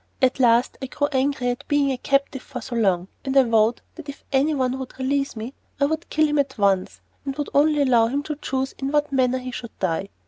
At last I grew angry at being captive for so long, and I vowed that if anyone would release me I would kill him at once, and would only allow him to choose in what manner he should die.